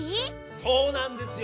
そうなんですよ！